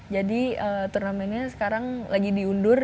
jadi turnamennya sekarang lagi diundur